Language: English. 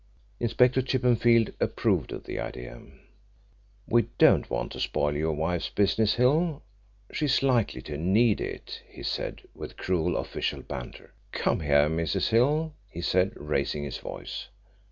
Inspector Chippenfield approved of the idea. "We don't want to spoil your wife's business, Hill she's likely to need it," he said, with cruel official banter. "Come here, Mrs. Hill," he said, raising his voice.